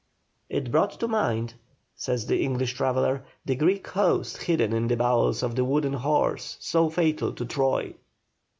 "It brought to mind," says the English traveller, "the Greek host hidden in the bowels of the wooden horse, so fatal to Troy."